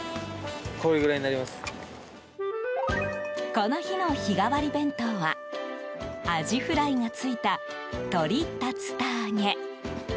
この日の、日替わり弁当はアジフライがついた鶏竜田揚げ。